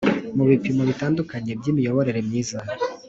mu bipimo bitandukanye by'imiyoborere myiza